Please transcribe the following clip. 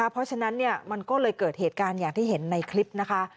เพราะฉะนั้นมันก็เลยเกิดเหตุการณ์อย่างที่เห็นในคลิปนะคะ